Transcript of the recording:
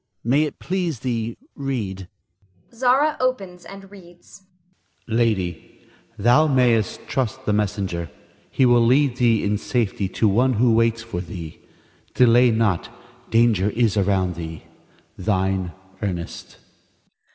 May it please thee, read. Zara [opens and reads]. Lady, Thou mayst trust the messenger. He will lead thee in safety to one who waits for thee. Delay not; danger is around thee. Thine, Ernest.